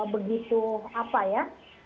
begitu apa ya